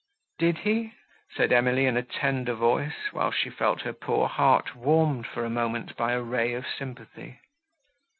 "Did he?" said Emily, in a tender voice, while she felt her poor heart warmed for a moment by a ray of sympathy.